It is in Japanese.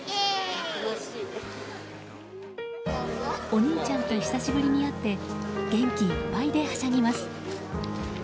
お兄ちゃんと久しぶりに会って元気いっぱいで、はしゃぎます。